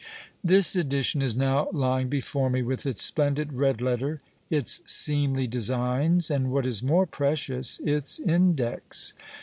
This edition is now lying before me, with its splendid "red letter," its "seemly designs," and, what is more precious, its "Index."